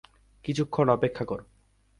কিছুক্ষণ অপেক্ষা কর।